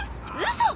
嘘！？